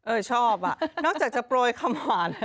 ชอบอ่ะนอกจากจะโปรยคำหวาน